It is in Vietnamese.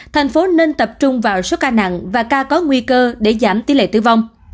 thành phố nên tập trung vào số ca nặng và ca có nguy cơ để giảm tỷ lệ tử vong